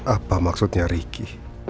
apa maksudnya ricky